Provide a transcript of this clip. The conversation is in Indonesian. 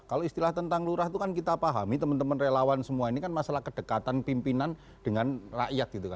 kalau istilah tentang lurah itu kan kita pahami teman teman relawan semua ini kan masalah kedekatan pimpinan dengan rakyat gitu kan